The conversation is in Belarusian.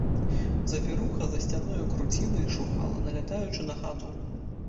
Завіруха за сцяною круціла і шугала, налятаючы на хату.